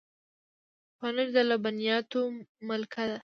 پنېر د لبنیاتو ملکه ده.